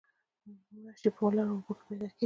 ماشي په ولاړو اوبو کې پیدا کیږي